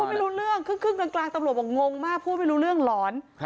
ไม่รู้เรื่องครึ่งกลางตำรวจบอกงงมากพูดไม่รู้เรื่องหลอน